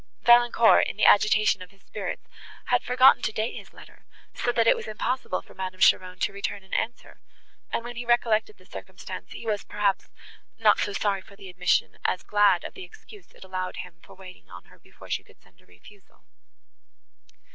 Valancourt, in the agitation of his spirits, had forgotten to date his letter, so that it was impossible for Madame Cheron to return an answer; and, when he recollected this circumstance, he was, perhaps, not so sorry for the omission as glad of the excuse it allowed him for waiting on her before she could send a refusal.